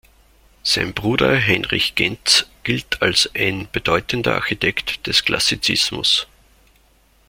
Sein Bruder Heinrich Gentz gilt als ein bedeutender Architekt des Klassizismus.